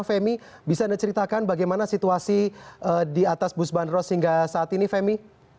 femi bisa anda ceritakan bagaimana situasi di atas bus bandros hingga saat ini femi